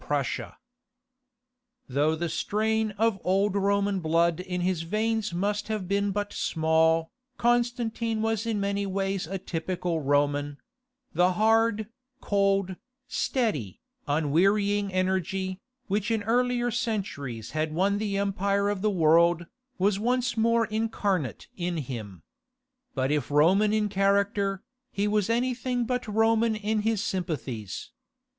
Constantine the Great Though the strain of old Roman blood in his veins must have been but small, Constantine was in many ways a typical Roman; the hard, cold, steady, unwearying energy, which in earlier centuries had won the empire of the world, was once more incarnate in him. But if Roman in character, he was anything but Roman in his sympathies.